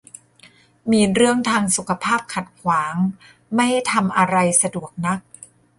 มีเรื่องทางสุขภาพขัดขวางไม่ให้ทำอะไรสะดวกนัก